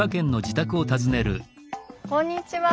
こんにちは。